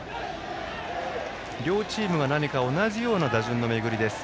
両チームが同じような打順のめぐりです。